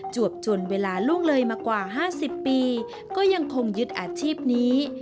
วบจนเวลาล่วงเลยมากว่า๕๐ปีก็ยังคงยึดอาชีพนี้